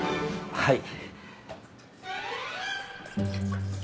はい。